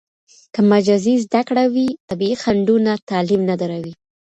که مجازي زده کړه وي، طبیعي خنډونه تعلیم نه دروي.